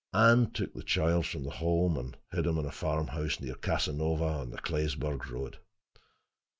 Anne took the child from the home and hid him in a farmhouse near Casanova, on the Claysburg road.